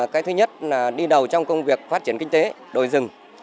cái thứ nhất là đi đầu trong công việc phát triển kinh tế đồi rừng